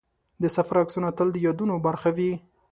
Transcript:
د سفر عکسونه تل د یادونو برخه وي.